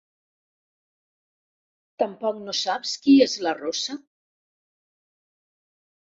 Tampoc no saps qui és la rossa?